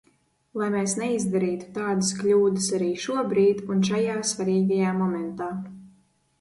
Lai mēs neizdarītu tādas kļūdas arī šobrīd un šajā svarīgajā momentā.